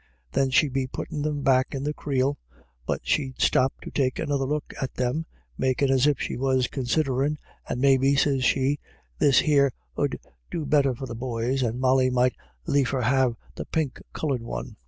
Then she'd be puttin' them back in the creel, but she'd stop to take another look at them, makiij' as if she was considherin', and i Maybe,' sez she, ' this here 'ud do better for the boys, and Molly might liefer have the pink coloured one.'